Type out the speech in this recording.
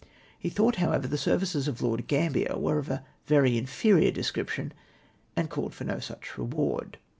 He thought, however, the services of Lord Gambler were of a very inferior description, and called for no such reward.